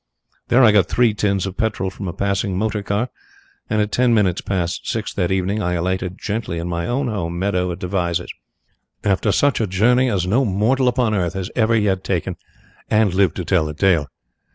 There I got three tins of petrol from a passing motor car, and at ten minutes past six that evening I alighted gently in my own home meadow at Devizes, after such a journey as no mortal upon earth has ever yet taken and lived to tell the tale.